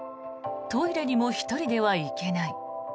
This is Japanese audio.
トイレにも１人では行けない。